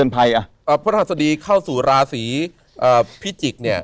พระทรัศนาศีเข้าสู่ลาศีพิจิก